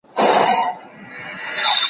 چي پر اوښ دي څه بار کړي دي څښتنه